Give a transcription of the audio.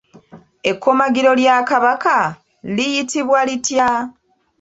Ekkomagiro lya Kabaka liyitibwa litya?